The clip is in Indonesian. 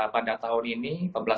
pada tahun ini